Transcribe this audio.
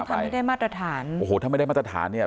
ทำให้ได้มาตรฐานโอ้โหถ้าไม่ได้มาตรฐานเนี่ย